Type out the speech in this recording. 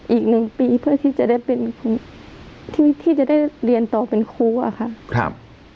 อีกหนึ่งปีเพื่อที่จะได้เป็นครูที่จะได้เรียนต่อเป็นครูอะค่ะ